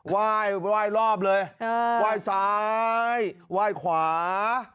ไหว้รอบเลยไหว้ซ้ายไหว้ขวา